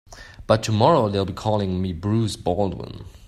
By tomorrow they'll be calling me Bruce Baldwin.